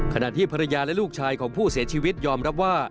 ขณะที่ภรรยาและลูกชายของผู้เสียชีวิตยอมรับว่า